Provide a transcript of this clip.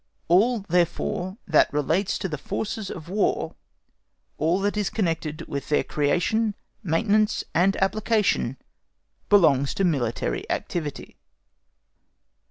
All, therefore, that relates to forces of War—all that is connected with their creation, maintenance, and application—belongs to military activity.